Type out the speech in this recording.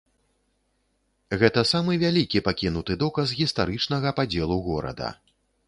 Гэта самы вялікі пакінуты доказ гістарычнага падзелу горада.